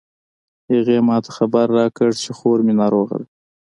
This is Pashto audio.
هغې ما ته خبر راکړ چې خور می ناروغه ده